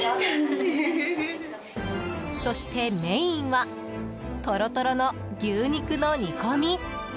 そしてメインはトロトロの牛肉の煮込み。